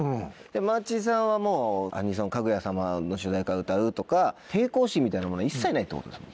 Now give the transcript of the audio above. マーチンさんはもうアニソン『かぐや様』の主題歌歌うとか抵抗心みたいなものは一切ないってことですもんね？